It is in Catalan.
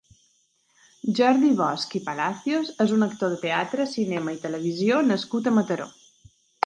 Jordi Bosch i Palacios és un actor de teatre, cinema i televisió nascut a Mataró.